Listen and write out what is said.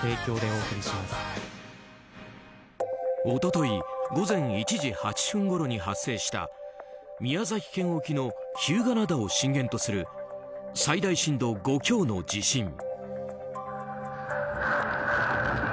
一昨日午前１時８分ごろに発生した宮崎県沖の日向灘を震源とする最大震度５強の地震。